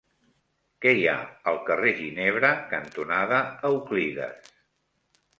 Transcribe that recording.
Què hi ha al carrer Ginebra cantonada Euclides?